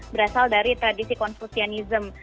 berasal dari tradisi konfusianism